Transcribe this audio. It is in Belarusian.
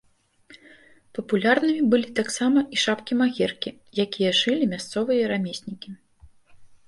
Папулярнымі былі таксама і шапкі-магеркі, якія шылі мясцовыя рамеснікі.